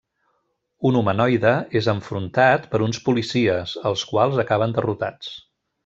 Un humanoide és enfrontat per uns policies, els quals acaben derrotats.